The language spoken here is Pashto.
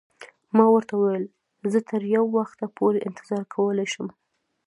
ما ورته وویل: زه تر یو وخته پورې انتظار کولای شم.